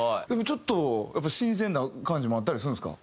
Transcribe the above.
ちょっと新鮮な感じもあったりするんですか？